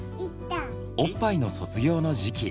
おっぱいの卒業の時期。